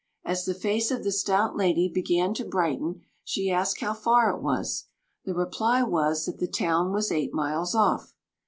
As the face of the stout lady began to brighten, she asked how far it was. The reply was that the town was eight miles off.